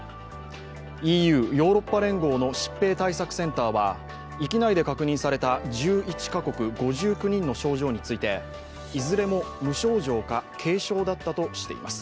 ＥＵ＝ヨーロッパ連合の疾病対策センターは域内で確認された１１カ国５９人の症状についていずれも無症状か軽症だったとしています。